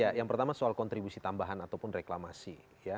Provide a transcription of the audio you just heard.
ya yang pertama soal kontribusi tambahan ataupun reklamasi